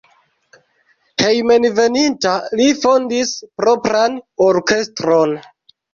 Hejmenveninta li fondis propran orkestron.